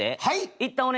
はい？